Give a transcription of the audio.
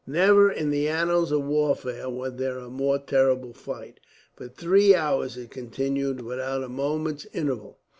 Never in the annals of warfare was there a more terrible fight. For three hours it continued, without a moment's interval.